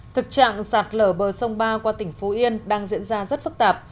thực trạng sạt lở bờ sông ba qua tỉnh phú yên đang diễn ra rất phức tạp